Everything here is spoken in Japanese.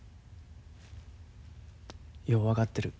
よう分かってる。